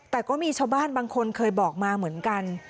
แต่ก็มีชาวบ้านบางคนเคยบอกมาเหมือนกัน